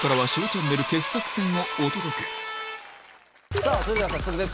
さぁそれでは早速です